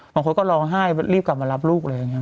บางคนก็ร้องไห้รีบกลับมารับลูกอะไรอย่างนี้